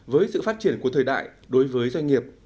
với sự phát triển của thời đại đối với doanh nghiệp